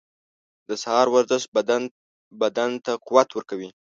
• د سهار ورزش بدن ته قوت ورکوي.